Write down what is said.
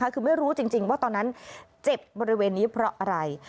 คือไม่รู้จริงว่าตอนนั้นเจ็บบริเวณนี้เพราะอะไร